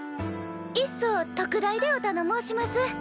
いっそ特大でおたの申します。